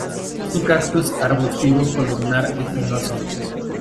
Es un cactus arbustivo columnar espinoso.